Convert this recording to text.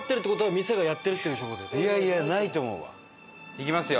いきますよ！